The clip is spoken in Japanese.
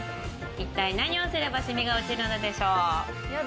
一体何をすればシミは落ちるでしょう？